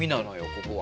ここは。